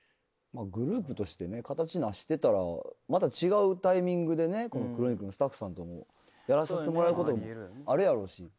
グループとしてね形成してたらまた違うタイミングでね『クロニクル』のスタッフさんともやらさせてもらえることもあるやろうし。